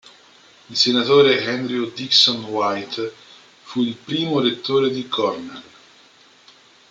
Il senatore Andrew Dickson White fu il primo rettore di Cornell.